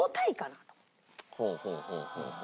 ほうほうほうほう。